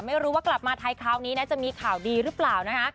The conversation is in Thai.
ไม่รู้ว่ากลับมาไทยคราวนี้นะจะมีข่าวดีหรือเปล่านะคะ